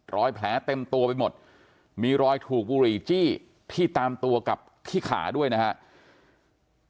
รอยแผลเต็มตัวไปหมดมีรอยถูกบุหรี่จี้ที่ตามตัวกับที่ขาด้วยนะครับ